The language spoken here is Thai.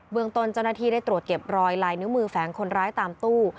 ตนเจ้าหน้าที่ได้ตรวจเก็บรอยลายนิ้วมือแฝงคนร้ายตามตู้